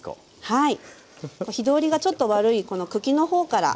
はい。